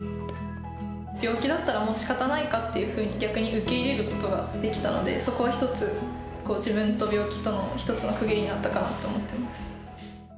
手掌多汗症と初めて診断を受病気だったらもう、しかたないかっていうふうに、逆に受け入れることができたので、そこは一つ、自分と病気との一つの区切りになったかなと思ってます。